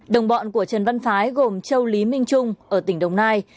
đồng bọn của trần văn phái gồm châu lý minh trung ở tỉnh đồng nai